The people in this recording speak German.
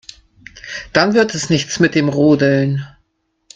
Dann wird es nichts mit dem Rodeln.